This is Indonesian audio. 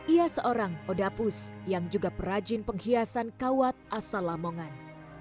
ia seorang odapus yang juga perajin penghiasan kawat asal lamongan